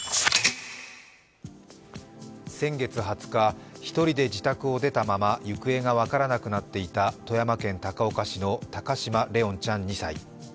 先月２０日、１人で自宅を出たまま行方が分からなくなっていた富山県高岡市の高嶋怜音ちゃん２歳。